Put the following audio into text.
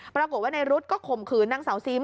ปรากฏว่าในรุ๊ดก็ข่มขืนนางสาวซิม